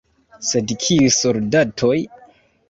Sed kiuj soldatoj?